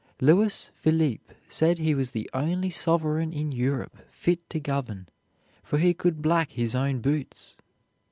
Louis Philippe said he was the only sovereign in Europe fit to govern, for he could black his own boots.